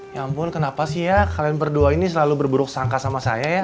ya ampun kenapa sih ya kalian berdua ini selalu berburuk sangka sama saya ya